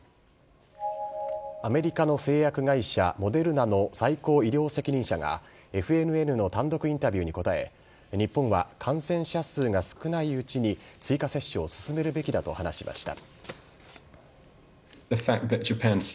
アメリカの製薬会社、モデルナの最高医療責任者が、ＦＮＮの単独インタビューに答え、日本は感染者数が少ないうちに追加接種を進めるべきだと話しました。